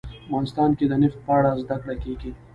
افغانستان کې د نفت په اړه زده کړه کېږي.